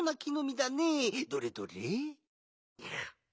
どれどれ？